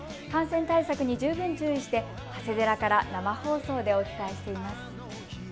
感染対策に十分注意して長谷寺から生放送でお伝えしています。